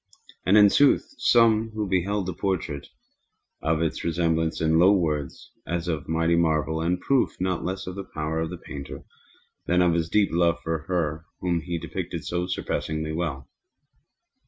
And in sooth some who beheld the portrait spoke of its resemblance in low words, as of a mighty marvel, and a proof not less of the power of the painter than of his deep love for her whom he depicted so surpassingly well.